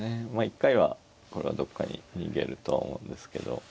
まあ一回はこれをどっかに逃げるとは思うんですけど。